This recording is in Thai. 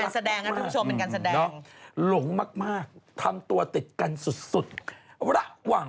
แสดงนะทุกชมเหมือนกันแสดง